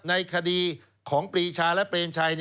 ในคดีของปรีชาและเปรมชัย